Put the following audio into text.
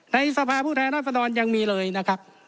ในสภาพผู้แท้นักศนอนยังมีเลยนะครับ